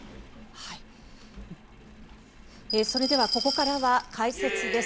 それではここからは解説です。